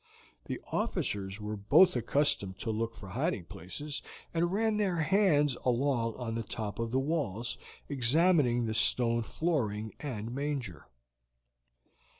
The officers were both accustomed to look for hiding places, and ran their hands along on the top of the walls, examining the stone flooring and manger.